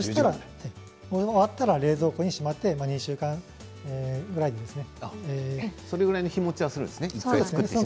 終わったら冷蔵庫にしまってそれぐらいは日もちするんですね。